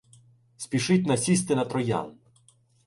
Спішить насісти на троян.